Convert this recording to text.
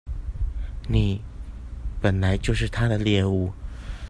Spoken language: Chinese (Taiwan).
你本來就是他的獵物